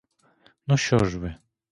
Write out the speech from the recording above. Ну що ж ви.